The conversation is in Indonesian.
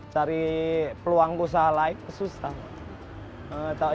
cari peluang usaha lain susah